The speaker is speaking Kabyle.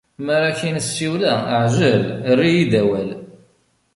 Mi ara k-in-ssiwleɣ, ɛjel, err-iyi-d awal!